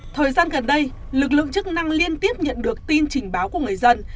thời gian gần đây lực lượng chức năng liên tiếp nhận được tin trình báo của người dân